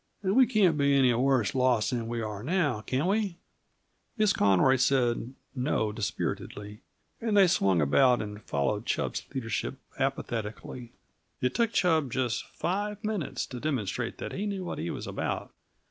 And we can't be any worse lost than we are now, can we?" Miss Conroy said no dispiritedly, and they swung about and followed Chub's leadership apathetically. It took Chub just five minutes to demonstrate that he knew what he was about.